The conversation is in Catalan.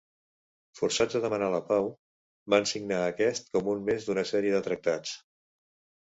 Forçats a demanar la pau, van signar aquest com un més d'una sèrie de tractats.